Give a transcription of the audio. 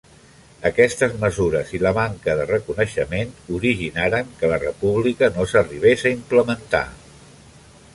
Aquestes mesures i la manca de reconeixement originaren que la República no s'arribés a implementar.